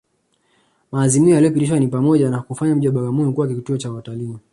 Maazimio yaliyopitishwa ni pamoja na kuufanya mji wa Bagamoyo kuwa kituo cha watalii